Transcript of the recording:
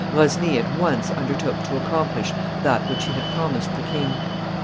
Rosny at once undertook to accomplish that which he had promised the king.